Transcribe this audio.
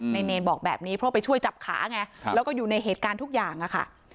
เนรบอกแบบนี้เพราะไปช่วยจับขาไงแล้วก็อยู่ในเหตุการณ์ทุกอย่างอะค่ะ